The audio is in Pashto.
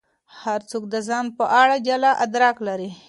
هر څوک د ځان په اړه جلا ادراک لري.